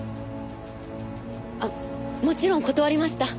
あっもちろん断りました。